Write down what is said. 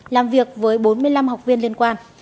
làm việc với bốn mươi năm học viên liên quan